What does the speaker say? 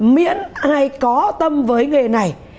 miễn ai có tâm với nghề này